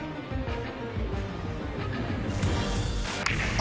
あ。